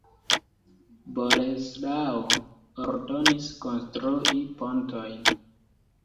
Boleslao ordonis konstrui pontojn.